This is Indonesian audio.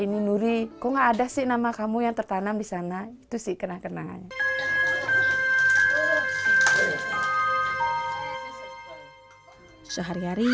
ini nuri kok ada sih nama kamu yang tertanam di sana itu sih kena kenaannya sehari hari